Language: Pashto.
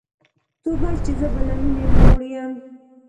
توبه چي زه به له میني موړ یم